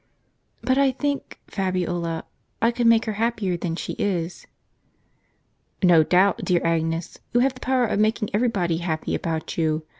"But I think, Fabiola, I could make her happier than she is." "No doubt, dear Agnes; you have the power of making every body happy about you.